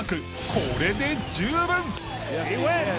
これで十分。